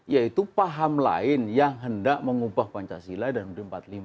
yaitu paham lain yang hendak mengubah pancasila dan ud empat puluh lima